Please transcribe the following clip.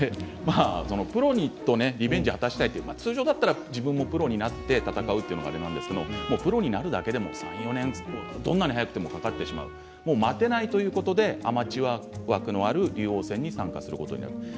プロとリベンジを果たしたいという通常だったら自分もプロになって戦うというのがあるんですけどプロになるだけでも３、４年どんなに早くてもかかってしまうもう待てないということでアマチュア枠のある竜王戦に参加することにします。